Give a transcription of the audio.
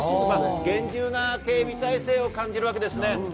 厳重な警備体制を感じるわけです。